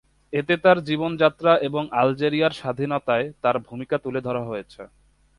এতে তার জীবনযাত্রা এবং আলজেরিয়ার স্বাধীনতায় তার ভূমিকা তুলে ধরা হয়েছে।